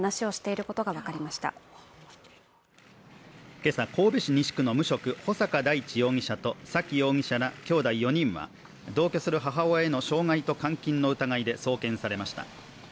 今朝、神戸市の無職、穂坂大地容疑者と沙喜容疑者らきょうだい４人は同居する母親への傷害と監禁の疑いで送検されました。